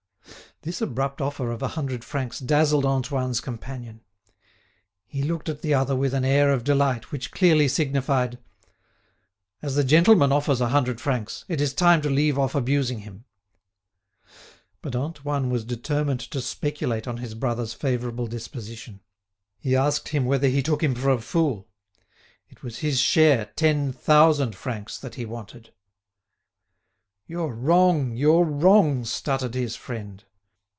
This abrupt offer of a hundred francs dazzled Antoine's companion. He looked at the other with an air of delight, which clearly signified: "As the gentleman offers a hundred francs, it is time to leave off abusing him." But Antoine was determined to speculate on his brother's favourable disposition. He asked him whether he took him for a fool; it was his share, ten thousand francs, that he wanted. "You're wrong, you're wrong," stuttered his friend.